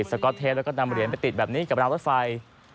สก๊อตเทปแล้วก็นำเหรียญไปติดแบบนี้กับราวรถไฟ